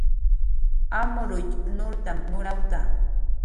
Amrutx nurtam nurawta